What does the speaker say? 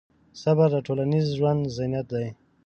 صبر د ټولنیز ژوند زینت دی.